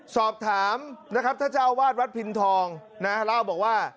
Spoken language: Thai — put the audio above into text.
สอบถามนะครับท่านเจ้าวาดวัดพินทองนะเล่าบอกว่า